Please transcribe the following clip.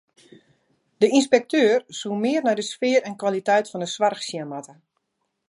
De ynspekteur soe mear nei de sfear en kwaliteit fan de soarch sjen moatte.